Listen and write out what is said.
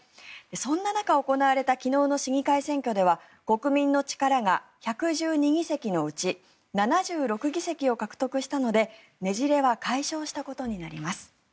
そんな中行われた昨日の市議会選挙では国民の力が１１２議席のうち７６議席を獲得したのでねじれは解消したことになります。